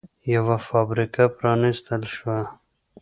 یوه فابریکه پرانېستل شوه